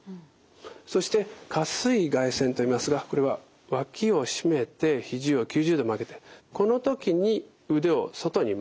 そして下垂位外旋といいますがこれは脇を締めて肘を９０度曲げてこの時に腕を外に回す。